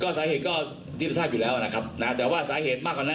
สาเหตุก็ที่ทราบอยู่แล้วนะครับนะแต่ว่าสาเหตุมากกว่านั้น